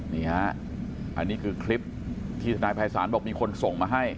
นี่ฮะอันนี้คือคลิปที่ทนายภัยศาลบอกมีคนส่งมาให้